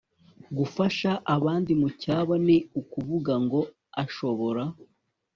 gufasha abandi mu cyabo ni ukuvuga ngo ashobora